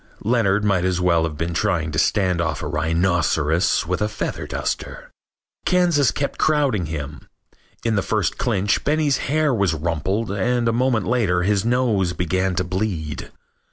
Leonard might as well have been trying to stand off a rhinoceros with a feather duster. Kansas kept crowding him. In the first clinch Benny's hair was rumpled and a moment later his nose began to bleed.